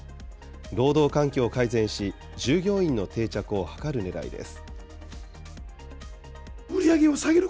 労働環境を改善し、従業員の定着を図るねらいです。